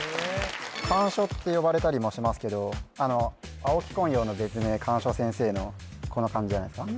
甘藷って呼ばれたりもしますけどあの青木昆陽の別名甘藷先生のこの漢字じゃないですか・